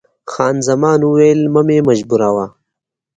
خان زمان وویل، مه مې مجبوروه.